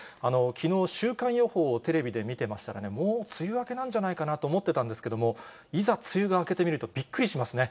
きのう、週間予報をテレビで見てましたらね、もう梅雨明けなんじゃないかなと思ってたんですけれども、いざ梅雨が明けてみるとびっくりしますね。